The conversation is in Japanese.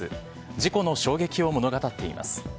事故の衝撃を物語っています。